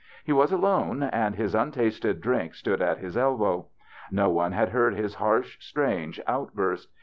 He was alone, and his untasted drink stood at his elbow. No one had heard his harsh, strange outburst.